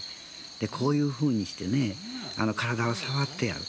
こういうふうにしてね体を触ってやる。